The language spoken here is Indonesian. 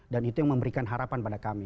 dan itu yang memberikan harapan pada kami